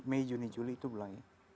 mei juni juli itu bulannya